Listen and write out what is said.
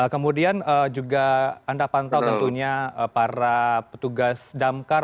kemudian juga anda pantau tentunya para petugas damkar